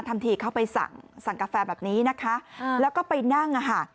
ทันทีเข้าไปสั่งกาแฟแบบนี้นะคะแล้วก็ไปนั่งอะฮะ